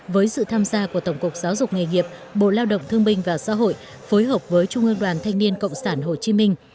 với sự tham gia của tổng cục giáo dục nghề nghiệp bộ lao động thương binh và xã hội phối hợp với trung ương đoàn thanh niên cộng sản hồ chí minh